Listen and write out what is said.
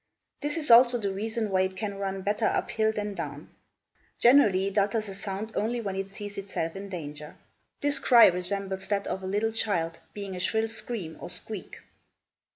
This is also the reason why it can run better up hill than down. Generally it utters a sound only when it sees itself in danger. This cry resembles that of a little child, being a shrill scream or squeak.